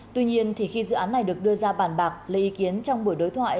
tuy nhiên khi dự án này được đưa ra bàn bạc lấy ý kiến trong buổi đối thoại